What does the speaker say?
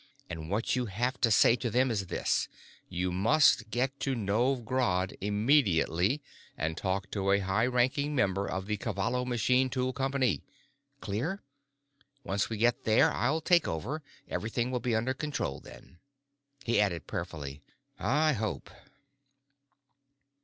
And what you have to say to them is this: You must get to Novj Grad immediately, and talk to a high ranking member of the Cavallo Machine Tool Company. Clear? Once we get there, I'll take over; everything will be under control then." He added prayerfully, "I hope."